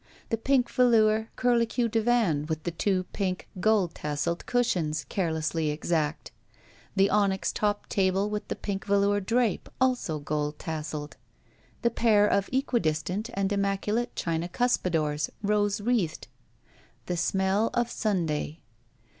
The pink velour curlicue divan with the two pink, gold tasseled cushions, carelessly exact. The onyx topped table with the pink velotu* drape, also gold tasseled. The pair of equidistant and immaculate china cuspidors, rose wreathed. The smell of Simday.